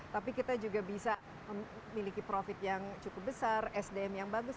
tapi kita juga bisa memiliki profit yang cukup besar sdm yang bagus